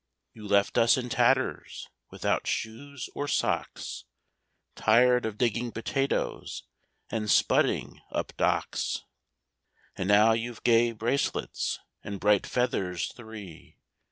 —"You left us in tatters, without shoes or socks, Tired of digging potatoes, and spudding up docks; And now you've gay bracelets and bright feathers three!"